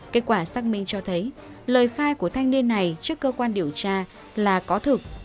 kết quả xác minh cho thấy lời khai của thanh niên này trước cơ quan điều tra là có thực